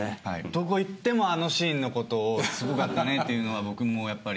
どこ行ってもあのシーンのことをすごかったねっていうのは僕もやっぱり。